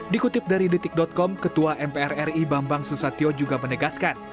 dikutip dari detik com ketua mpr ri bambang susatyo juga menegaskan